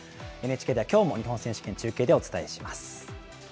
ＮＨＫでは、きょうも日本選手権、中継でお伝えします。